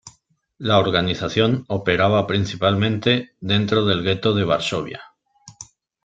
La organización operaba principalmente dentro del Gueto de Varsovia.